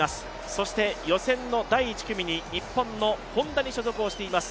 そして予選の第１組に日本のホンダに所属しています